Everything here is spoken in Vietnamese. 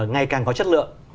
ngày càng có chất lượng